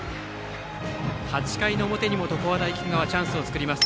８回の表にも常葉大菊川チャンスを作ります。